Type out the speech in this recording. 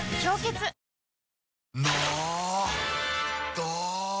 ど！